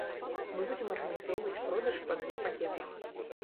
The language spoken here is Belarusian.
Мы будзем арганізоўваць продаж па двух пакетах.